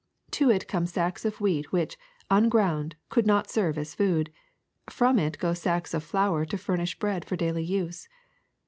To it came sacks of wheat which, unground, could not serve as food; from it go sacks of flour to furnish bread for daily use.